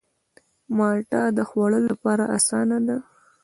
مالټه د خوړلو لپاره آسانه ده.